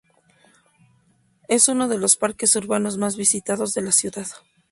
Es uno de los parques urbanos más visitados de la ciudad.